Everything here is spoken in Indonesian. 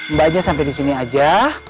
mbaknya sampai di sini aja